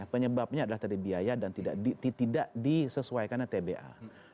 penyebabnya adalah dari biaya dan tidak disesuaikan tba